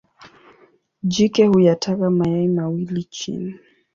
Jike huyataga mayai mawili chini.